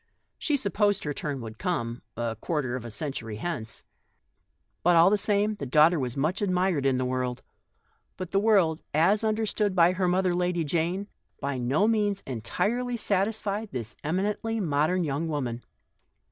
She supposed her turn would come — a quarter of a century hence. But all the same, the daughter was much admired in "the world;" but "the world " as understood by her mother, Lady Jane, by no means entirely satisfied this emi nently modern young woman.